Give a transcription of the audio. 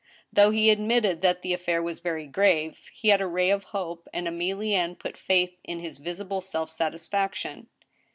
Though he admitted that the affair was very grave, he had a ray of hope, and Emilienne put faith in his visible self satisfaction.